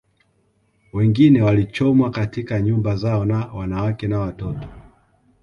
Wengine walichomwa katika nyumba zao na wanawake na watoto